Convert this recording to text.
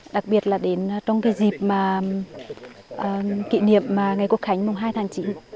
đặc biệt là đến trong cái dịp mà kỷ niệm ngày cuộc khánh mùng hai tháng chín